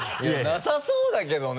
なさそうだけどね。